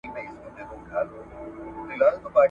د حاجتونو جوابونه لیکي ,